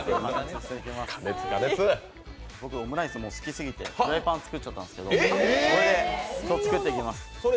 僕、オムライス好きすぎてフライパン作っちゃったんですけどこれで作っていきます。